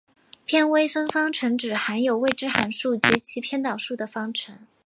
偏微分方程指含有未知函数及其偏导数的方程。